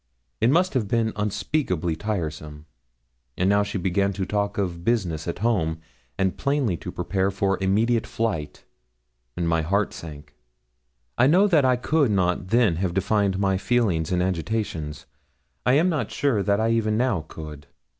It must have been unspeakably tiresome. And now she began to talk of business at home, and plainly to prepare for immediate flight, and my heart sank. I know that I could not then have defined my feelings and agitations. I am not sure that I even now could.